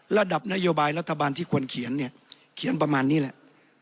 ระดับนโยบายรัฐบาลที่ควรเขียนเนี่ยเขียนประมาณนี้แหละ